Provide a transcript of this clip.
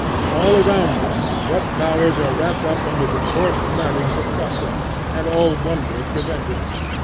All around us what powers are wrapped up under the coarse mattings of custom, and all wonder prevented.